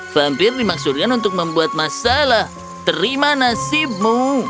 vampir dimaksudkan untuk membuat masalah terima nasibmu